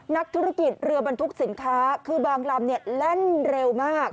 นักธุรกิจเรือบรรทุกสินค้าคือบางลำเนี่ยแล่นเร็วมาก